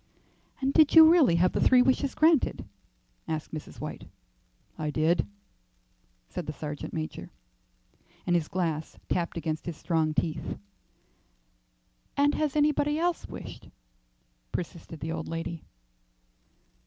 "And did you really have the three wishes granted?" asked Mrs. White. "I did," said the sergeant major, and his glass tapped against his strong teeth. "And has anybody else wished?" persisted the old lady.